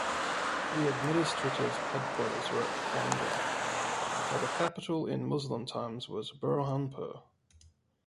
The administrative headquarters were at Khandwa; but the capital in Muslim times was Burhanpur.